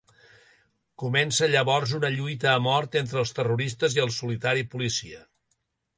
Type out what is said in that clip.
Comença llavors una lluita a mort entre els terroristes i el solitari policia.